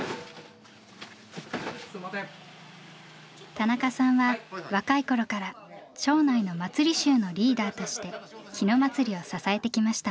田中さんは若い頃から町内の祭り衆のリーダーとして日野祭を支えてきました。